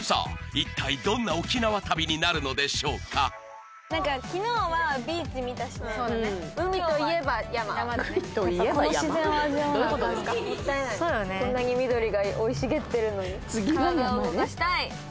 一体どんな沖縄旅になるのでしょうかもったいない。